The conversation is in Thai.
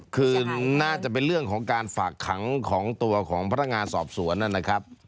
คือน่าจะเป็นเรื่องของการฝากขังของตัวของพนักงานสอบสวนนะครับ